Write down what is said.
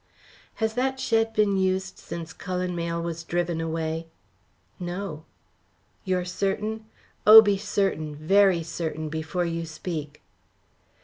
"Has that shed been used since Cullen Mayle was driven away?" "No." "You are certain? Oh, be certain, very certain, before you speak."